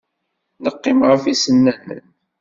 Neqqim ɣef yisennanen.